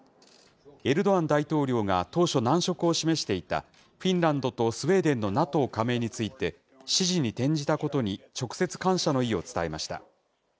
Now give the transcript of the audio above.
エルドアン大統領が当初、難色を示していたフィンランドとスウェーデンのＮＡＴＯ加盟について、支持に転じたことに直接感謝の意を伝えました。